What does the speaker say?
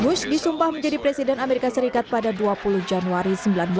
bush disumpah menjadi presiden amerika serikat pada dua puluh januari seribu sembilan ratus enam puluh